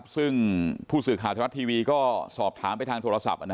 ซึ่งผู้สื่อข่าวไทยรัฐทีวีก็สอบถามไปทางโทรศัพท์